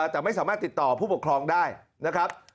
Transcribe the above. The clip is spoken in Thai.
แต่ไม่สามารถติดต่อผู้ปกครองได้นะครับ